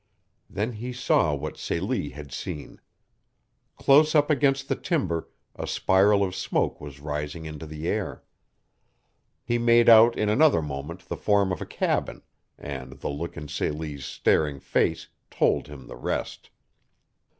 Then he saw what Celie had seen. Close up against the timber a spiral of smoke was rising into the air. He made out in another moment the form of a cabin, and the look in Celie's staring face told him the rest.